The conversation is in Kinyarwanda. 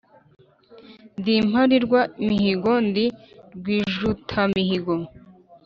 Ndi impalirwa mihigo, ndi rwijutamihigo,